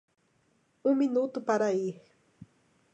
Um minuto para ir!